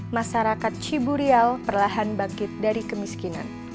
masyarakat ciburial perlahan bangkit dari kemiskinan